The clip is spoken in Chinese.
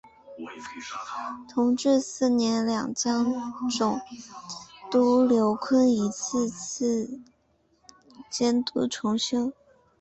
同治四年两江总督刘坤一再次监督重修。